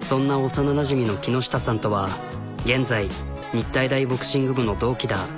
そんな幼なじみの木下さんとは現在日体大ボクシング部の同期だ。